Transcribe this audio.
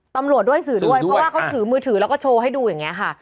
ตำรวจด้วยสื่อด้วยเพราะว่าเขาถือมือถือแล้วก็โชว์ให้ดูอย่างนี้ค่ะ